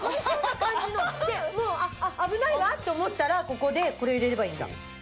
でもう危ないわと思ったらここでこれを入れればいいんだ。